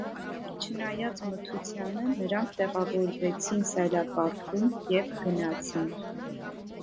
Չնայած մթությանը, նրանք տեղավորվեցին սայլակառքում և գնացին։